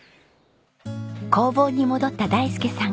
工房に戻った大介さん。